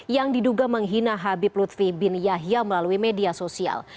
yang diduga menghina habib lutfi bin yahya melalui media sosial